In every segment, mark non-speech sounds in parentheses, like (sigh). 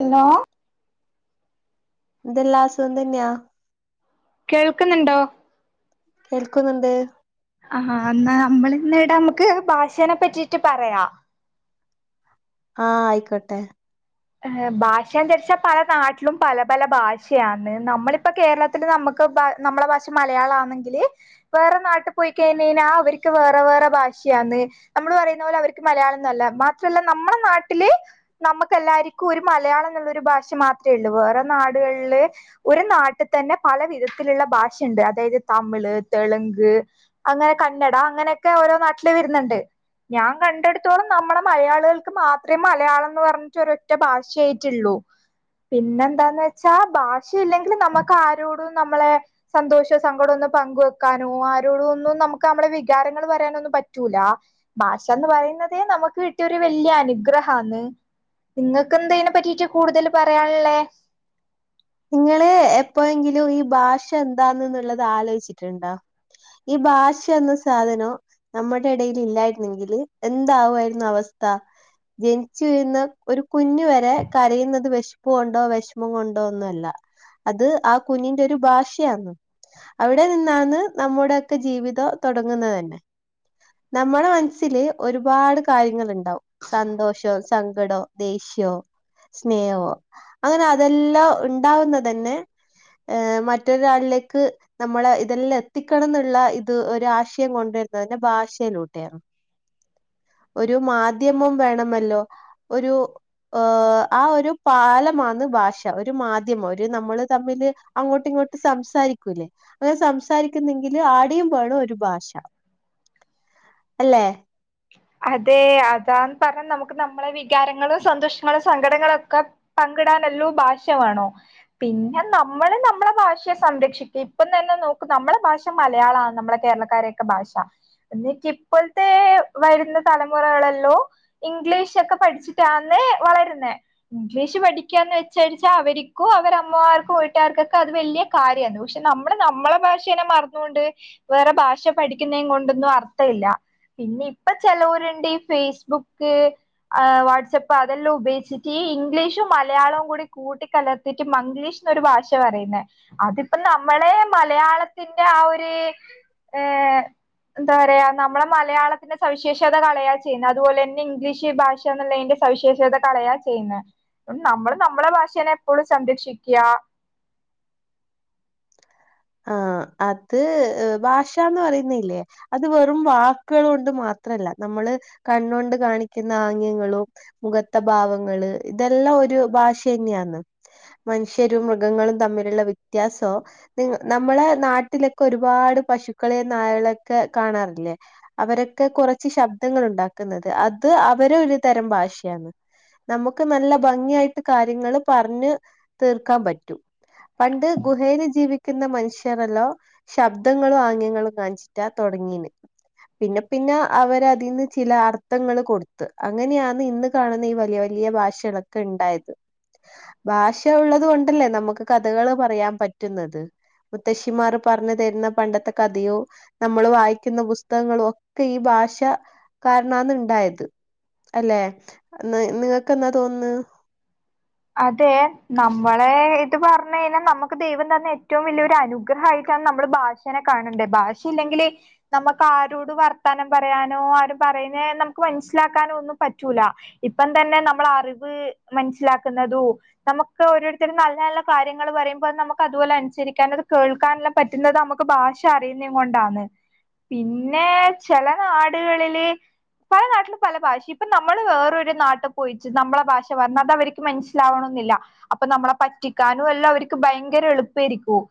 Hello എന്തെല്ല സുഖം തന്നെയാ കേൾക്കുന്നുണ്ടോ കേൾക്കുന്നുണ്ട് ആഹ് എന്നാ നമ്മളിന്നിവിടെ നമ്മക്ക് ഭാഷേനെ പറ്റിട്ട് പറയാം ആഹ് ആയിക്കോട്ടെ ഏഹ് ഭാഷെന്തിരിച്ചാൽ പല നാട്ടിലും പല പല ഭാഷയാന്ന് നമ്മളിപ്പോ കേരളത്തി ല് നമ്മക്ക് നമ്മുടെ ഭാഷ മലയാളാണെങ്കില് വേറെ നാട്ട് പോയി കഴിഞ്ഞയിഞ്ഞാ അവര്ക്ക് വേറെ വേറെ ഭാഷയന്ന് നമ്മള് പറയുന്ന പോലെ അവർക്ക് മലയാളൊന്നല്ല മാത്രല്ല നമ്മളെ നാട്ടില് നമ്മക്ക് എല്ലാ ർക്കും ഒരു മലയാളം ന്നുള്ളൊരു ഭാഷ മാത്രെ ഒള്ളൂ വേറെ നാടുകളില് ഒരു നാട്ടിത്തന്നെ പല വിധത്തിലുള്ള ഭാഷണ്ട് അതായത് തമിള് തെളുങ്ക് അങ്ങനെ കന്നഡ അങ്ങനെയൊക്കെ ഓരോ നാട്ടില് വരുന്നുണ്ട് ഞാൻ കണ്ടെടത്തോളം നമ്മളെ മലയാളികൾക്ക് മാത്രേ മലയാളം ന്ന് പറഞ്ഞിട്ടൊരോ റ്റ ഭാഷയായിട്ടുള്ളൂ പിന്നെന്താന്ന് വെച്ചാ ഭാഷയില്ലെങ്കില് നമ്മക്ക് ആരോടും നമ്മളെ സന്തോഷം സങ്കടൊന്നും പങ്കു വെക്കാനോ ആരോടും ഒന്നും നമ്മക്ക് നമ്മളെ വികാരങ്ങൾ പറയാനൊന്നും പറ്റൂല ഭാഷന്ന് പറയുന്നതേ നമ്മക്ക് കിട്ടിയ ഒരു വല്യ അനുഗ്രഹന്ന് ഇങ്ങക്കെന്താ ഇയിനെ പറ്റിട്ട് കൂടുതല് പറയാന്ള്ളെ ഇങ്ങള് എപ്പോഴെങ്കിലും ഈ ഭാഷ എന്താന്ന്ന്നുള്ളത് ആലോചിച്ചിട്ടുണ്ടോ ഈ ഭാഷ എന്ന സാധനം നമ്മടെ എടേൽ ഇല്ലായിരുന്നെങ്കില് എന്താവുമായിരുന്നു അവസ്ഥ ജനിച്ചുവീഴുന്ന ഒരു കുഞ്ഞ് വരെ കരയുന്നത് വെശപ്പ് കൊണ്ടോ വെഷമം കൊണ്ടോ ഒന്നുമല്ല അത് ആ കുഞ്ഞിന്റെ ഒരു ഭാഷയാന്ന് അവിടെ നിന്നാണ് നമ്മുടെയൊക്കെ ജീവിതം തൊടങ്ങുന്നത് തന്നെ നമ്മടെ മനസ്സില് ഒരുപാട് കാര്യങ്ങള്ണ്ടാവും സന്തോഷോം, സങ്കടോം, ദേഷ്യോം സ്നേഹോം അങ്ങനെ അതെല്ലാം ണ്ടാവുന്നതന്നെ ഏഹ് മറ്റൊരാളിലേക്ക് നമ്മളെ ഇതെല്ലാം എത്തിക്കണം ന്നുള്ള ഇത് ഒരു ആശയം കൊണ്ടുവരുന്നതിന്റെ ഭാഷയിലൂടെയാണ് (inaudible) ഒരു മാധ്യമം വേണമല്ലോ ഒരു ആഹ് ഒരു പാലമാന്ന് ഭാഷ ഒരു ഒരു മാധ്യമം ഒരു നമ്മള് തമ്മില് അങ്ങോട്ട് ഇങ്ങോട്ട് സംസാരിക്കൂല്ലേ അങ്ങനെ സംസാരിക്കുന്നെങ്കില് ആടേം വേണം ഒരു ഭാഷ അല്ലെ അതെ അതാന്ന് പറഞ്ഞാൽ നമുക്ക് നമ്മളെ വികാരങ്ങള സന്തോഷങ്ങളോ സങ്കടങ്ങളൊക്കെ പങ്കിടാൻ എല്ലോ ഭാഷ വേണം പിന്നെ നമ്മള് നമ്മുടെ ഭാഷയെ സംരക്ഷിക്കും ഇപ്പം തന്നെ നോക്കും നമ്മളെ ഭാഷ മലയാളണ് നമ്മളെ കേരളക്കാരൊക്കെ ഭാഷ എന്നിട്ട് ഇപ്പോഴത്തെ വരുന്ന തലമുറകളല്ലോ ഇംഗ്ലീഷ് ക്കെ പഠിച്ചിട്ടാന്ന് വളരുന്നേ ഇംഗ്ലീഷ് പഠിക്കാന്ന് വെച്ചാരിച്ചാ അവർക്കും അവരമ്മമാർക്കും വീട്ടുകർക്കൊക്കെ അത് വല്യ കാര്യന്ന് പക്ഷെ നമ്മൾ നമ്മളെ ഭാഷേനെ മറന്നുകൊണ്ട് വേറെ ഭാഷ പഠിക്കന്നും കൊണ്ടൊന്നും അർത്ഥ ഇല്ല പിന്നെ ഇപ്പൊ ചേലോരുണ്ട് ഈ ഫേസ്ബുക്ക് വാട്സ്ആപ്പ് അതെല്ലാം ഉപയോഗിച്ചിട്ട് ഈ ഇംഗ്ലീഷും മലയാളവും കൂടി കൂട്ടിക്കല ന്നിട്ട് മംഗ്ലീഷ് ന്ന് ഒരു ഭാഷ പറയുന്നേ അതിപ്പ നമ്മളെ മലയാളത്തിന്റെ ആ ഒരു ഏഹ എന്താ പറയാ നമ്മള മലയാള ന്റെ സവിേഷത കളയ ചെയ്യുന്നത് അതുപോലെ തന്നെ ഇംഗ്ലീഷ് ഭാഷന്നുള്ളതിന്റെ സവിശേഷത കളയാ ചെയ്യുന്നത് നമ്മള് നമ്മളെ ഭാഷേനെ എപ്പോഴും സംരക്ഷിക്കാ ആഹ അത് ഭാഷന്ന് പറയുന്നില്ലേ. അത് വെറും വാക്കുകൾ കൊണ്ട് മാത്രല്ല. നമ്മള് കണ്ണൊണ്ട് കാണിക്കുന്ന ആംഗ്യങ്ങളും. മുഖത്ത ഭാവങ്ങള് ഇതെല്ലാം ഒരു ഭാഷ തന്നെയന്ന്. മനുഷ്യരും മൃഗങ്ങളും തമ്മിലുള്ള വ്യത്യാസവും. നി നമ്മളെ നാട്ടിലൊക്കെ ഒരുപാട് പശുക്കളെ നായളൊക്കെ കാണാറില്ലേ. അവരൊക്കെ കുറച്ച് ശബ്ദങ്ങൾ ഉണ്ടാക്കുന്നത് അത് അവര് ഒരു തരം ഭാഷയാണ് നമുക്ക് നല്ല ഭംഗിയായിട്ട് കാര്യങ്ങൾ പറഞ്ഞ് തീർക്കാൻ പറ്റൂ. പണ്ട് ഗുഹേയിൽ ജീവി ക്കുന്ന മനുഷ്യർല്ലോ ശബ്ദങ്ങളും ആംഗ്യങ്ങളും കാണിച്ചിട്ടാ തുടങ്ങീന്. പിന്നെ പിന്നെ അവര് അതിൽന്ന് ചില അർത്ഥങ്ങൾ കൊടുത്ത് അങ്ങനെയാണ് ഇന്ന്. കാണുന്ന ഈ വലിയ വലിയ ഭാഷകളൊക്കെ ഉണ്ടായത്. (inaudible) ഭാഷ ഉള്ളത് കൊണ്ടല്ലേ നമുക്ക് കഥകള് പറയാൻ പറ്റുന്നത്. മുത്തശ്ശിമാർ പറഞ്ഞു തരുന്ന പണ്ടത്തെ കഥയും. നമ്മൾ വായിക്കുന്ന പുസ്തകങ്ങളും ഒക്കെ ഈ ഭാഷ കാരനാണ് ഉണ്ടായത്. അല്ലെ നിങ്ങൾക്ക്ന്താ തോന്നന്ന്. അതെ നമ്മളെ ഇത് പറഞ്ഞു കഴിഞ്ഞാൽ നമുക്ക് ദൈവം തന്ന ഏറ്റവും വലിയ ഒരു അനുഗ്രഹയിട്ടാണ്. നമ്മള് ബ മനുഷ്യനെകണട് ഭാഷ ഇല്ലെങ്കില്. നമുക്ക് ആരോട് വർത്താനം പറയാനോ ആരും പറയുന്നേ നമുക്ക് മനസ്സിലാക്കാനോ ഒന്നും പറ്റൂല. ഇപ്പം തന്നെ നമ്മള അറിവ് മനസ്സിലാക്കുന്നതു. നമുക്ക് ഓരോരുത്തരും നല്ല നല്ല കാര്യങ്ങൾ പറയുമ്പോ നമുക്ക് അതുപോലെ അനുസരിക്കാനും. അത് കേൾക്കാനുള്ള പറ്റുന്നത് നമുക്ക് ഭാഷ അറിയുന്ന കൊണ്ടാണ്. പിന്നെ ചില നാടുകളില്. പല നാട്ടിൽ പല ഭാഷിം. ഇപ്പൊ നമ്മള് വേറൊരു നാട്ടിൽ പോയിച്ച് നമ്മളെ ഭാഷ പറഞ്ഞ അത് അവർ മനസ്സിലാവണെന്നില്ല. അപ്പൊ നമ്മളെ പറ്റിക്കാനും എല്ലാം അവർക്ക് ഭയങ്കര എളുപ്പരിക്കും.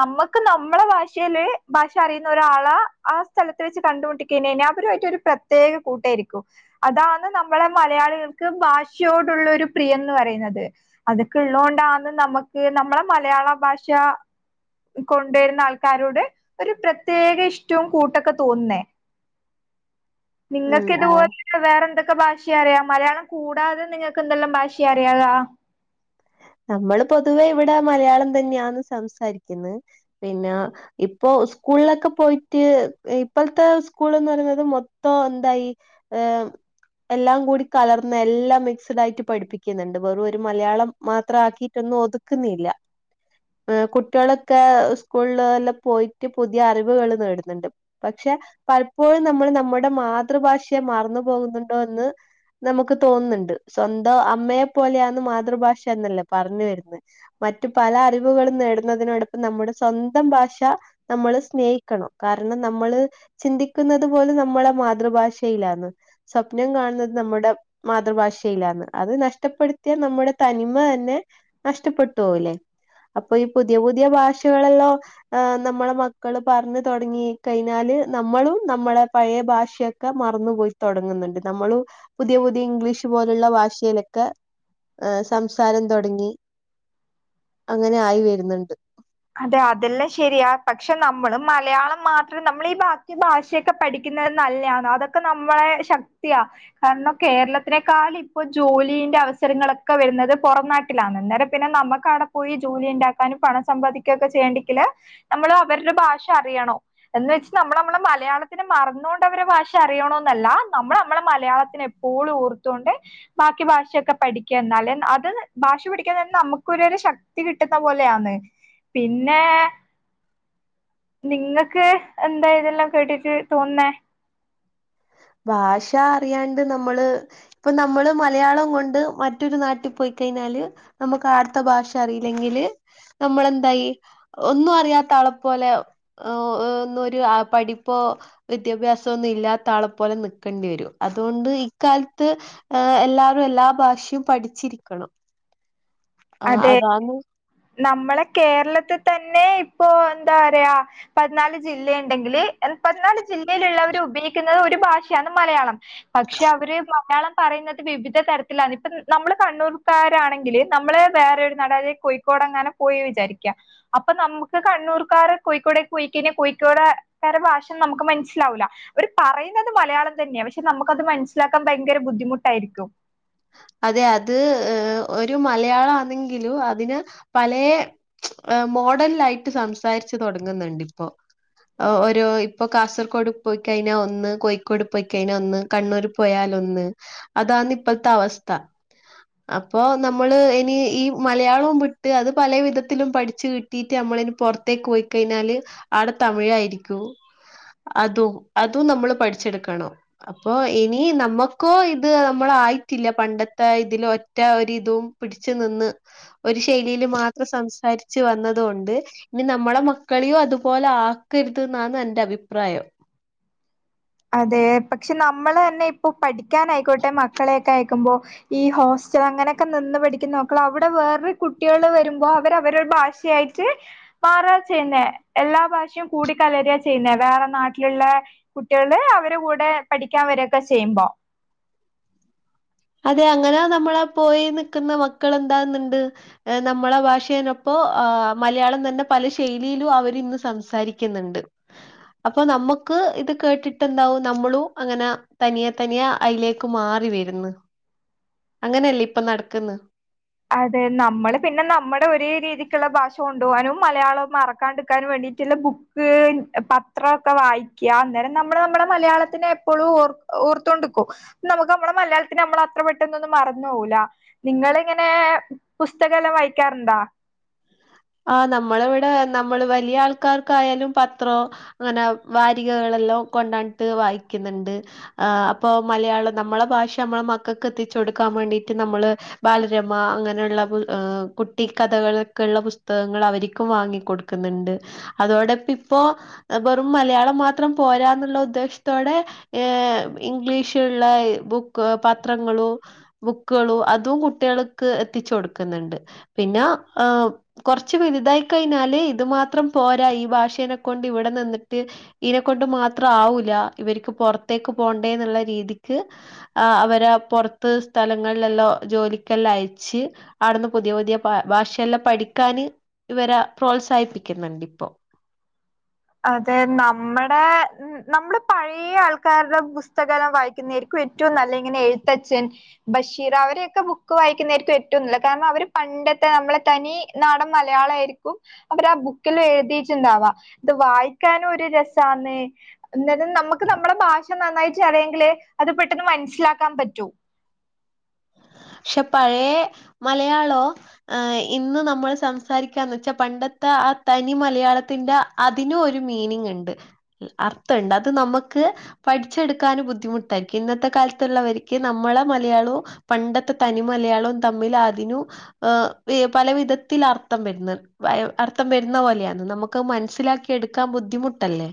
നമ്മുക്ക് നമ്മള ഭാഷൽ ഭാഷ അറിയുന്ന ഒരാളാ ആ സ്ഥലത്ത്. വെച്ച് കണ്ടുമുട്ടി കൈഞ്ഞ അവരു ആയിട്ട് ഒരു പ്രത്യേക കൂട്ടായിരിക്കും. അതാണ് നമ്മളെ മലയാളികൾക്ക് ഭാഷയോടുള്ള ഒരു പ്രിയംന്ന് പറയുന്നത് അതൊക്കെ ഉള്ളത് കൊണ്ടാന്ന് നമുക്ക് നമ്മളെ മലയാള ഭാഷ. കൊണ്ടുവരുന്ന ആൾക്കാരോട്. ഒരു പ്രത്യേക ഇഷ്ടവും കൂട്ടൊക്കെ തോന്നുന്നേ. (inaudible) നിങ്ങൾക്ക് ഉം ഇതുപോലെ വേറെ എന്തൊക്കെ ഭാഷ അറിയാം. മലയാളം കൂടാതെ നിങ്ങൾക്ക് എന്തെല്ലാം ഭാഷ. ക്ഷ്യ അറിയകാ നമ്മൾ പൊതുവേ ഇവിടെ മലയാളം തന്നെയാണ് സംസാരിക്കുന്നത്. പിന്നെ ഇപ്പോ സ്കൂളിലൊക്കെ പോയിട്ട്. ഇപ്പോഴത്തെ സ്കൂൾന്ന് പറയുന്നത് മൊത്തം എന്തായി ഏമ് എല്ലാം കൂടി കലർന്ന് എല്ലാം മിക്സ്ഡ് ആയിട്ട് പഠിപ്പിക്ന്ന്ണ്ട്. വെറു ഒരു മലയാളം മാത്രം ആക്കിയിട്ടൊന്നും ഒതുക്കുന്നില്ല. കുട്ടിളൊക്കെ സ്കൂളെല്ലാം പോയിറ്റ്. പുതിയ അറിവുകള് നേടുന്നുണ്ട്. പക്ഷെ പലപ്പോഴും നമ്മള് നമ്മുടെ മാതൃഭാഷയെ മറന്നു പോകുന്നുണ്ടോ എന്ന്. നമുക്ക് തോന്ന്ണ്ട്. സ്വന്തം അമ്മയെപ്പോലെയാന്ന് മാതൃഭാഷ ന്നല്ലേ പറഞ്ഞു വെര്ന്ന്. മറ്റു പല അറിവുകളും നേടുന്നതിനോടൊപ്പം നമ്മുടെ സ്വന്തം ഭാഷ. നമ്മള് സ്നേഹിക്കണം. കാരണം നമ്മള് ചിന്തിക്കുന്നത് പോലും നമ്മളെ മാതൃഭാഷയിലാന്ന്. സ്വപ്നം കാണുന്നത്. നമ്മുടെ മാതൃഭാഷയിലാണ്. അത് നഷ്ടപ്പെടുത്തിയാ നമ്മുടെ ത നിമ തന്നെ നഷ്ടപ്പെട്ടു പോല്ലേ അപ്പൊ ഈ പുതിയ പുതിയ ഭാഷകളെല്ലാം. ആ നമ്മളെ മക്കള് പർണു തൊടങ്ങി കയ്ഞ്ഞാല്. നമ്മളും നമ്മളെ പഴയ ഭാഷയെ ക്കെ മറന്നു പോയി തൊടങ്ങ്ന്ന്ണ്ട്. നമ്മളു പുതിയ പുതിയ ഇംഗ്ലീഷ് പോലുള്ള ഭാഷയിലൊക്കെ ഏ സംസാരം തൊടങ്ങി അങ്ങനെ ആയി വെരുന്നുണ്ട്. അതെ അതെല്ലാം ശെരിയാ പക്ഷെ നമ്മളും മലയാളം മാത്രം. നമ്മൾ ഈ ബാക്കി ഭാഷ ക്കെ പഠിക്കുന്നെ നല്ലെന്ന് അതൊക്കെ നമ്മളെ ശക്തിയ കാരണം കേരളത്തിനേക്കാൾ ഇപ്പോ ജോലിന്റെ അവസരങ്ങളൊക്കെ വരുന്നത് പൊറന്നാ കിലാന്ന് ന്നേരം പിന്നെ നമ്മുക്കാടെ പോയി ജോലി ണ്ടാക്കാനും പണം സമ്പാദികക്കെ ചെയ്യണ്ടെക്കല് നമ്മള് അവരുടെ ഭാഷ അറിയണോം. എന്ന് വെച്ച് നമ്മള് നമ്മളെ മലയാളത്തിനെ മറന്നോണ്ട് അവരെ ഭാഷ അറിയണോന്നല്ല നമ്മള് നമ്മളെ മലയാളത്തിനെ പൂള് ഊർത്തോണ്ട് ബാക്കി ഭാഷയൊക്കെ പഠിക്കാ ന്നാലെ അത് ഭാഷ പഠിക്കാ ന്നെര് നമുക്കൊരു ശക്തി കിട്ടുന്ന പോലെന്ന്. പിന്നേ നിങ്ങക്ക് എന്താ യിതെല്ലാം കേട്ടിട്ട് തോന്ന്ന്നേ? ഭാഷ അറിയാണ്ട് നമ്മള് ഇപ്പൊ നമ്മള് മലയാളം കൊണ്ട് മറ്റൊരു നാട്ടിൽ പോയിക്കഴിഞ്ഞാല് നമ്മക്ക് ആട്ത്ത ഭാഷ അറിയില്ലെങ്കില് നമ്മളെന്തായി? ഒന്നും അറിയാത്ത ആളെപ്പോലെവും ഓഹ് ഓഹ് ഓന്നൊരു പഠിപ്പോ വിദ്യാഭ്യാസോ ഒന്നും ഇല്ലാത്ത ആളെ പോലെ ന്ക്കേണ്ടി രും അതൊണ്ട് ഇക്കാൽത്ത് ആഹ് എല്ലാരും എല്ലാ ഭാഷയും പഠിച്ചിരിക്കണം ആഹ് അതെ അതാന്ന് നമ്മളെ കേരളത്തി തന്നെ ഇപ്പൊ ന്താ റയാ? പതിനാല് ജില്ല ണ്ടെങ്കില് പതിനാല് ജില്ലയിലുള്ളവര് ഉപയോഗിക്കുന്നത് ഒരു ഭാഷയാണ് മലയാളം പക്ഷെ അവര് മലയാളം പറയുന്നത് വിവിധ തരത്തിലാണ് ഇപ്പം നമ്മള് കണ്ണൂർക്കാരാണെങ്കില് നമ്മള് വേറെ ഒരു നട ല്ലെ കോഴിക്കോട് ങ്ങാനു പോയി വിചാരിക്കാ. അപ്പൊ നമുക്ക് കണ്ണൂർക്കാരെ കോയിക്കോടെക് കോയിക്കിന് കോയിക്കോട് കാരെ ഭാഷം നമുക്ക് മൻസ്സിലാവൂല. ഓര് പറയുന്നത് മലയാളം തെന്ന്യ പക്ഷെ നമുക്കത് മനസ്സിലാക്കാൻ ഭയങ്കര ബുദ്ധിമുട്ടായിരിക്കും. അതെ അത് ഏ ഒരു മലയാളാണെങ്കിലും അതിന് പലേ മോഡേൽല്ലായിട്ട് സംസാരിച്ച് തൊടങ്ങ്ന്ന് ണ്ട് ഇപ്പോ ഓരോ ഇപ്പൊ കാസർകോഡ് പോയിക്കഴിഞ്ഞാ ഒന്ന് കോഴിക്കോട് പോയിക്കയിഞാ ഒന്ന് കണ്ണൂര് പോയാല് ഒന്ന് അതാന്ന് ഇപ്പത്തെ അവസ്ഥ. അപ്പോ നമ്മള് ഇനി ഈ മലയാളും വിട്ട് അത് പല വിധത്തിലും പഠിച്ചു കി നീറ്റ് മ്മള് പൊറത്തേക്ക് പോയി കഴിഞ്ഞാല് അവടെ തമിഴായിരിക്കും. അതും അതും നമ്മള് പഠിച്ചെട്ക്കണം. അപ്പൊ ഇനി നമ്മുക്കോ ഇത് നമ്മളായിറ്റില്ല പണ്ടത്തെ ഇതില് ഒറ്റ ഒരുരിതും പിടച്ച് നിന്ന് ഒരു ശൈലിയില് മാത്രം സംസാരിച്ചു വന്നതൊണ്ട് ഇനി നമ്മളെ മക്കളീം അതുപോലെ ആക്കരുത് ന്നാന്ന് എന്റെ അഭിപ്രായം. അതെ പക്ഷെ നമ്മള് തന്നെ ഇപ്പൊ പഠിക്കനായിക്കോട്ടെ മക്കളെയൊക്കെ ആയക്കുമ്പോ ഈ ഹോസ്റ്റൽ അങ്ങനെയൊക്കെ നിന്ന് പഠിക്കുന്ന നോക്കള അവിടെ വേറെ കുട്ടികള് വരുമ്പോൾ അവര അവരുടെ ഭാഷ ഷയായിട്ട് മാറ ചെയ്യുന്നേ എല്ലാ ഭാഷയും കൂടി കലറുക ചെയ്യുന്നേ വേറെ നാട്ടിലുള്ളെ കുട്ടികള് അവരെ കൂടെ പഠിക്കാൻ വരൊക്കെ ചെയ്യുമ്പോ- അതെ അങ്ങനെ നമ്മളെ പോയി നിക്കുന്ന മക്കൾ എന്താന്ന്ണ്ട്- നമ്മളെ ഭാഷേനൊപ്പോ ആ മലയാളം തന്നെ പല ശൈലിയിലും അവര് ഇന്ന് സംസാരി ക്കുന്നുണ്ട്. അപ്പൊ നമുക്ക് ഇത് കേട്ടിട്ട് എന്താവും നമ്മളും അങ്ങനെ തനിയ തനിയ അയിലേക്ക് മാറി വരുന്ന് അങ്ങനെയല്ലേ ഇപ്പൊ നടക്കുന്ന്- അതെ നമ്മള് പിന്നെ നമ്മുടെ ഒരേ രീതിക്കുള്ള ഭാഷ കൊണ്ടു പോവാനും മലയാളവും മറക്കാണ്ടിരിക്കാനും വേണ്ടിയിട്ടുള്ള ബുക്ക് പത്രംക്കെ വായിക്കുക അന്നേരം നമ്മുടെ നമ്മുടെ മലയാളത്തിനെ എപ്പോഴും ഓർ ഓർത്തോണ്ടിക്കും നമുക്ക് നമ്മളെ മലയാളത്തിന് നമ്മള അത്ര പെട്ടന്നൊന്നും മറന്നു പോകുല നിങ്ങള് ഇങ്ങനെ പുസ്തകല്ലാം വായിക്കാറുണ്ടാ-? ആഹ്, നമ്മളവടെ നമ്മള് വലിയ ആൾക്കാർക്കായാലും പത്രോ അങ്ങനെ വാരികകളെല്ലോ കൊണ്ടാൻട്ട് വായിക്ക്ന്ന്ണ്ട്. ആഹ് അപ്പൊ മലയാളം നമ്മളെ ഭാഷ അമ്മളെ മക്കക്കെത്തിച്ചൊട്ക്കാൻ വേണ്ടിട്ട് നമ്മള് ബാലരമ അങ്ങനെള്ള ബു ആഹ് കുട്ടിക്കഥകളൊക്കെള്ള ബുസ് തകങ്ങൾ അവരിക്കും വാങ്ങി കൊട്ക്ക്ന്ന്ണ്ട്. അതോടപ്പിപ്പോ എ വെറും മലയാളം മാത്രം പോരാന്ന്ള്ള ഉദ്ദേശ്ത്തോടെ ഏ ഇംഗ്ലീഷുള്ള ബുക്ക് പത്രങ്ങളും ബുക്കുകളു അതും കുട്ട്യള്ക്ക് എത്തിച്ചോട്ക്ക്ന്ന്ണ്ട്. പിന്നാ ആം കൊർച്ച് വെല്തായി കയ്ഞ്ഞാല് ഇത് മാത്രം പോരാ ഈ ഭാഷേനെ കൊണ്ട് ഇവിടെ നിന്നിട്ട് ഈനെ കൊണ്ട് മാത്ര ആവൂലാ ഇവര്ക്ക് പൊറത്തേക്ക് പോണ്ടേന്ന്ള്ള രീതിക്ക് ആ അവരെ പൊർത്ത് സ്ഥലങ്ങളിലെല്ലാം ജോലിക്കെല്ലാം അയച്ച് ആട്ന്ന് പുതിയ പുതിയ പാ ഭാഷയെല്ലാം പഠിക്കാന് ഇവരെ പ്രോത്സാഹിപ്പിക്ക്ന്ന്ണ്ട് ഇപ്പോ. അതെ നമ്മടെ നമ്മടെപഴേ ആൾക്കാര്ടെ പുസ്തകെലാ വായിക്കുന്നെയിരിക്കും ഏറ്റവും നല്ലെ ഇങ്ങനെ എഴുത്തച്ഛൻ ബഷീർ അവരെയൊക്കെ ബുക്ക് വായിക്കുന്നായിരിക്കും ഏറ്റവും നല്ലെ കാരണം അവര് പണ്ടത്തെ നമ്മളെ തനി നാടൻ മലയാളായിരിക്കും അവര് ആ ബുക്കിലു എഴുതിട്ടുണ്ടാവാ. ത് വായിക്കാനും ഒരു രസാന്ന് എന്ന നമുക്ക് നമ്മളെ ഭാഷ നന്നായിട്ട് (unintelligible) ങ്കില് അത് പെട്ടെന്ന് മൻസ്സിലാക്കാൻ പറ്റും ഷെ പഴേ മലയാളോ ആ ഇന്ന് നമ്മള് സംസാരിക്കാന്ന് ച്ചാ പണ്ടത്തെ ആ തനി മലയാളത്തിന്റെ അതിനു ഒരു മീനിങ്ങ്ണ്ട് അർത്ഥണ്ട് അത് നമ്മക്ക് പഠിച്ചെട്ക്കാനു ബുദ്ധിമുട്ടായിരിയ്ക്കും. ഇന്നത്തെ കാൽത്ത്ള്ളവര്ക്ക് നമ്മളെ മലയാളും പണ്ട ത തനി മലയാളും തമ്മില് അതിനും ഏ ഈ പല വിധത്തിലർത്ഥം വെര്ന്നത്. (unintelligible) അർത്ഥം വെര്ന്ന പോലെയാണ് നമുക്കയ് മൻസിലാക്കി എട്ക്കാൻ ബുദ്ധിമുട്ടല്ലേ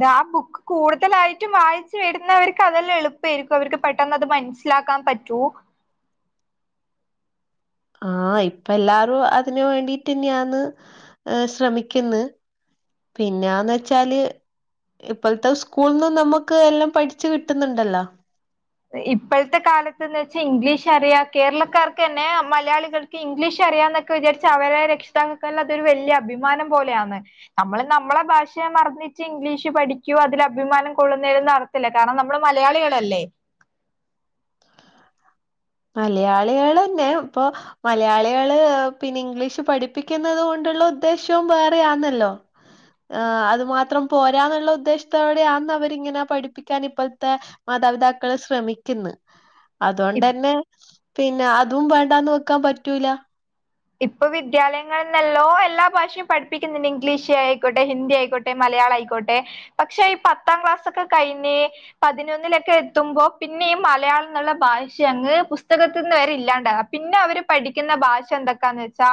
ദാ ആ ബുക്ക് കൂട്തലായിട്ടും വായിച്ചു വെരുന്നവർക്ക് അതെല്ലെ എളുപ്പേരിക്കും. അവർക്ക് പെട്ടെന്ന് അത് മനസി സിലാക്കാൻ പറ്റൂ ആഹ് ഇപ്പല്ലാരും അതിന് വേണ്ടിട്ട്ന്നെയാന്ന് ശ്രമിയ്ക്ക്ന്ന് പിന്ന്യാന്നെച്ചാല് ഇപ്പൾത്തെ സ്കൂൾന്നും നമ്മുക്ക് എല്ലം പഠിച്ച് കിട്ട്ന്ന്ണ്ടല്ലോ ഇപ്പഴത്തെ കാലത്ത്ന്ന് വെച്ചാ ഇംഗ്ലീഷ് അറിയാം കേരളക്കാർക്കെന്നെ മലയാളികൾ ഇംഗ്ലീഷ് അറിയാന്നൊക്കെ വിചാരിച്ച് അവരെ രക്ഷിതാക്കൾക്കെല്ലാ അതൊരു വെല്യ അഭിമാനം പോലെയാന്ന്. നമ്മള് നമ്മളെ ഭാഷ്യെ മറന്നിച്ച് ഇംഗ്ലീഷ് പഠിക്ക്യോ അതിലഭിമാനം കൊള്ള്ന്ന (unintelligible) തില്ല. കാര്ണം നമ്മള് മലയാളികളല്ലേ മലയാളികളെന്നെ പ്പൊ മലയാളികള് പിന്നെ ഇംഗ്ലീഷ് പഠിപ്പിയ്ക്കുന്നത് കൊണ്ടുള്ള ഉദ്ദേശ്യവും വേറെയാന്നല്ലോ. ആഹ്, അത് മാത്രം പോരാന്ന്ള്ള ഉദ്ദേശ്ത്തോടെയാന്ന് അവരിങ്ങനാ പഠിപ്പിക്കാൻ ഇപ്പഴ്ത്തെ മാതാപിതാക്കള് ശ്രമിക്ക്ന്ന്. അതോണ്ടെന്നെ പിന്നെ അതും വേണ്ടാന്ന് വെക്കാ പറ്റൂല ഇപ്പോ വിദ്യാലയങ്ങളിലെല്ലോ എല്ലാ ഭാഷ്യും പഠിപ്പിക്ക്ന്ന്ണ്ട്. ഇംഗ്ലീഷ് ആയിക്കോട്ടെ ഹിന്ദി ആയിക്കോ മലയാളായിക്കോട്ടെ പക്ഷെ ഈ പത്താം ക്ലാസൊക്കെ കഴിഞ്ഞ് പതിനൊന്നിലൊക്കെ എത്തുമ്പോ പിന്നെ ഈ മലയാളന്ന്ള്ള ഭാഷ്യങ്ങ് പുസ്തകത്ത്ന്ന് വെരെ ഇല്ലാണ്ടാ പിന്നെ അവര് പഠിയ്ക്ക്ന്ന ഭാഷ എന്തൊക്കാന്ന് വെച്ചാ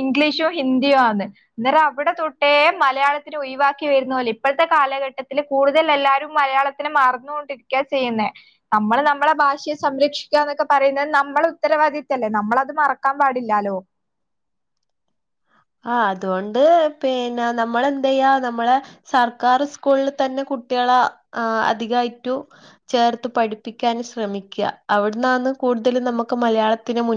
ഇംഗ്ലീഷും ഹിന്ദിയും ആന്ന്. എന്നേരം അവടെ തൊട്ടേ മലയാളത്തിനെ ഒഴിവാക്കി വെര്ന്നോല് ഇപ്പഴ്ത്തെ കാലഘട്ടത്തില് കൂടുതൽ എല്ലാവാരും മലയാള ത്തിനെ മർന്നോണ്ടിരിയ്ക്ക ചെയ്യ്ന്നേ. നമ്മള് നമ്മളെ ഭാഷയെ സംരക്ഷിക്കാന്നൊക്കെ പറയുന്നത് നമ്മളെ ഉത്തരവാദിത്തല്ലേ നമ്മളത് മറക്കാൻ പാ ടില്ലാലോ ആഹ്, അതുകൊണ്ട് പിന്നെ നമ്മള് എന്തെയ്യാ നമ്മള് സർക്കാറ് സ്കൂൾള് തന്നെ കുട്ട്യള ആ അധികായിറ്റും ചേർത്ത് പഠിപ്പിയ്ക്കാൻ ശ്രമിക്ക്യ. അവട്ന്നാന്ന് കൂട്തലും നമുക്ക് മലയാളത്തിന് മുൻ